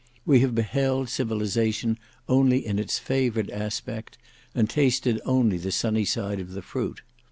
We have beheld civilization only in its favoured aspect, and tasted only the sunny side of the fruit.